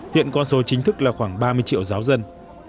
hiện con số chính thức là khoảng ba mươi triệu giáo dân